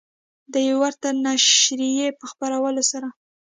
د یوې ورته نشریې په خپرولو سره